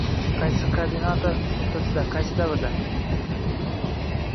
qaysi koordinata nuqtasida, qaysi davrda